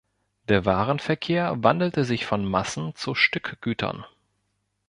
Der Warenverkehr wandelte sich von Massen- zu Stückgütern.